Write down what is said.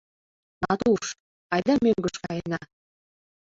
— Натуш... айда мӧҥгыш каена.